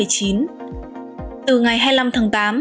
từ ngày hai mươi năm tháng tám